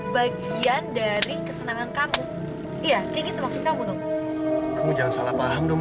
baik kamu minta bapak hukum